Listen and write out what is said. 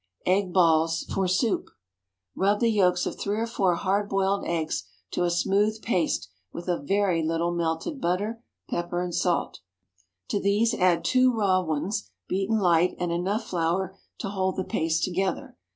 EGG BALLS FOR SOUP. ✠ Rub the yolks of three or four hard boiled eggs to a smooth paste with a very little melted butter, pepper, and salt. To these add two raw ones, beaten light, and enough flour to hold the paste together.